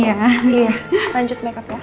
iya lanjut makeup ya